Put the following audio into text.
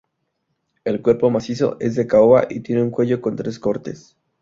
El cuerpo, macizo, es de caoba y tiene un cuello con tres cortes.